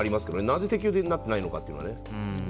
なぜ適用になってないのかというのはね。